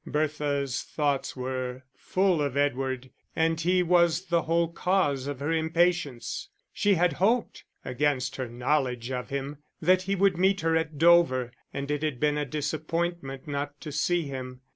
Bertha's thoughts were full of Edward, and he was the whole cause of her impatience. She had hoped, against her knowledge of him, that he would meet her at Dover, and it had been a disappointment not to see him.